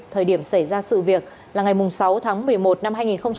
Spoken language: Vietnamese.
thời điểm xảy ra sự việc là ngày sáu tháng một mươi một năm hai nghìn hai mươi hai